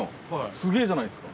すげぇじゃないですか。